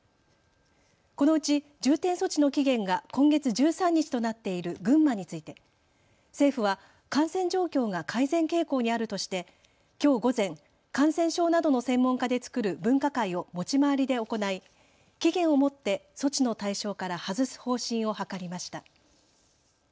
このうち重点措置の期限が今月１３日となっている群馬について政府は感染状況が改善傾向にあるとしてきょう午前、感染症などの専門家で作る分科会を持ち回りで行い期限をもって措置の対象から外す方針を諮りました。